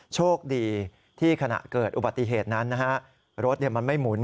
โชคดีที่ขณะเกิดอุบัติเหตุนั้นนะฮะรถมันไม่หมุน